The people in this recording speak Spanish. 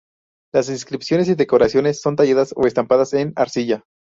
Las inscripciones y decoraciones son talladas o estampadas en la arcilla.